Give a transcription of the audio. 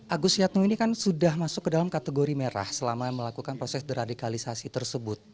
agus yatno ini kan sudah masuk ke dalam kategori merah selama melakukan proses deradikalisasi tersebut